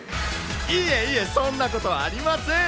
いえいえ、そんなことありません。